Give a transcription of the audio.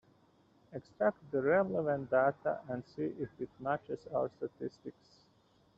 Extract the relevant data and see if it matches our statistics.